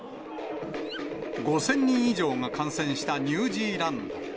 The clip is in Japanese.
５０００人以上が感染したニュージーランド。